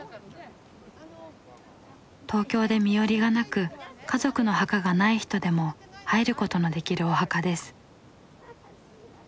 東京で身寄りがなく家族の墓がない人でも入ることのできるお墓です。